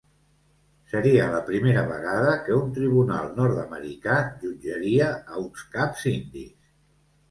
Seria la primera vegada que un tribunal nord-americà jutjaria a uns caps indis.